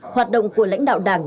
hoạt động của lãnh đạo đảng